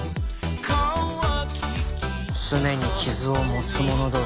すねに傷を持つ者同士。